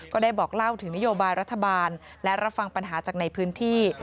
ก็ได้บอกเล่าถึงนโยบายรัฐบาลและรับฟังปัญหาจากในพื้นที่